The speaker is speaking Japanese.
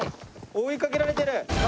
追いかけられてる。